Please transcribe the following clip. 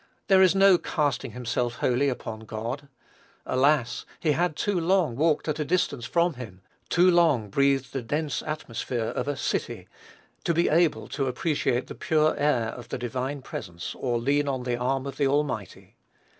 There is no casting himself wholly upon God. Alas! he had too long walked at a distance from him; too long breathed the dense atmosphere of a "city," to be able to appreciate the pure air of the divine presence, or lean on the arm of the Almighty.